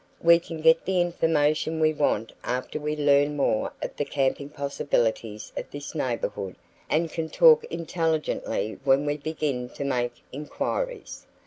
We can get the information we want after we learn more of the camping possibilities of this neighborhood and can talk intelligently when we begin to make inquiries."